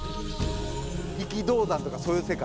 「力道山とかそういう世界？」